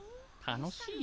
・楽しい？